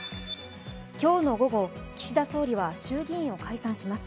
今日の午後、岸田総理は衆議院を解散します。